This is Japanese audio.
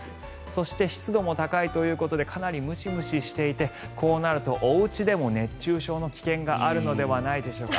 そして、湿度も高いということでかなりムシムシしていてこうなるとおうちでも熱中症の危険があるのではないでしょうか。